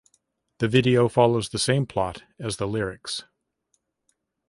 The video follows the same plot as the lyrics.